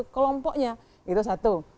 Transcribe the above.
kelompoknya itu satu